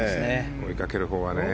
追いかけるほうはね。